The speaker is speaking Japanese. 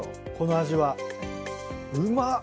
うまっ。